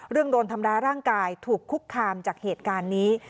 เรื่องโดนธรรมดาร่างกายถูกคุกคามจากเหตุการณ์นี้